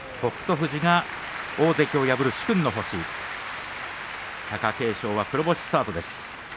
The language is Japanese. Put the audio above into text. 富士が大関を破る殊勲の星貴景勝、黒星スタートです。